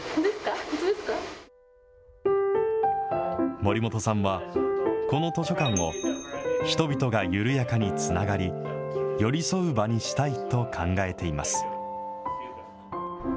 守本さんは、この図書館を、人々が緩やかにつながり、寄り添う場にしたいと考えています。